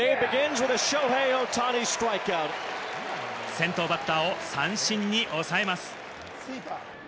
先頭バッターを三振に抑えまスイーパー。